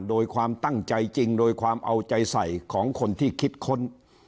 โดยความตั้งใจจริงโดยความเอาใจใส่ของคนที่คิดค้น